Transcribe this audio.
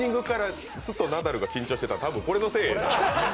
オープニングからずっとナダルが緊張してたのは、多分、これのせいや。